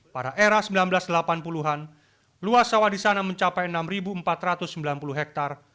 pada era seribu sembilan ratus delapan puluh an luas sawah di sana mencapai enam empat ratus sembilan puluh hektare